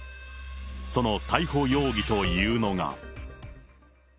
その逮捕容疑というのが。